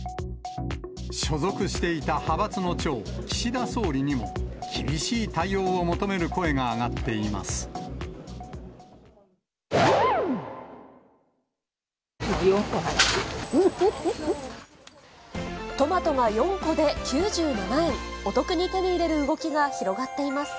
所属していた派閥の長、岸田総理にも、厳しい対応を求める声が上がっています。